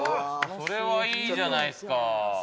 それはいいじゃないですか。